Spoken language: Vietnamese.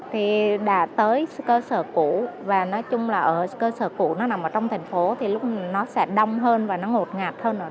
thì đã tới cơ sở cũ và nói chung là cơ sở cũ nó nằm trong thành phố thì nó sẽ đông hơn và nó ngột ngạt hơn